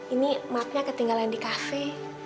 ini maafnya ketinggalan di kafe